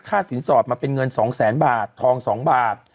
ค่าสินสอบมาเป็นเงิน๒๐๐๐๐๐บาททอง๒บาท